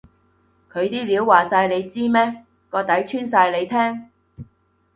佢啲料話晒你知咩？個底穿晒你聽？